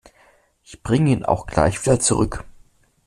Ich bringe ihn auch gleich wieder zurück.